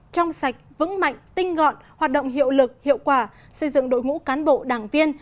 trong sạch vững mạnh tinh gọn hoạt động hiệu lực hiệu quả xây dựng đội ngũ cán bộ đảng viên